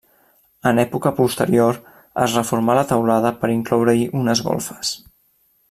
En època posterior es reformà la teulada per incloure-hi unes golfes.